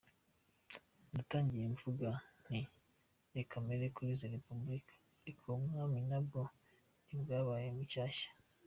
Natangiye nvuga nti reka mpere kuri za repubulika, ariko ubwami nabwo ntibwabaye shyashya.